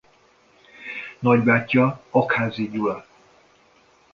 Nagybátyja Aggházy Gyula.